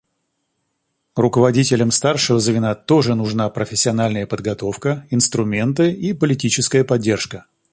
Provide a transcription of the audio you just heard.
Руководителям старшего звена тоже нужна профессиональная подготовка, инструменты и политическая поддержка.